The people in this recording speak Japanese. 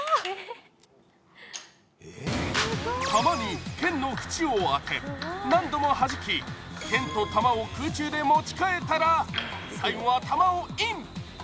玉にけんのふちを当て何度もはじきけんと玉を空中で持ち替えたら、最後は玉をｉｎ。